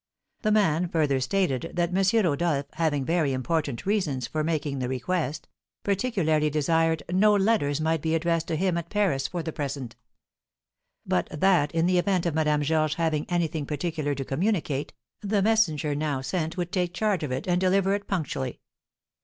The man further stated that M. Rodolph, having very important reasons for making the request, particularly desired no letters might be addressed to him at Paris for the present; but that, in the event of Madame Georges having anything particular to communicate, the messenger now sent would take charge of it, and deliver it punctually.